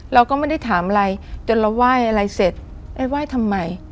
เราก็ไม่ได้ถามอะไรจนเราไหว้อะไรเสร็จไอ้ไหว้ทำไม